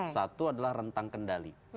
satu adalah rentang kendali